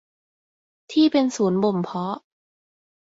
ที่เป็นศูนย์บ่มเพาะ